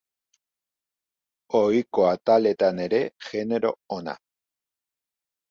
Ohiko ataletan ere, jenero ona.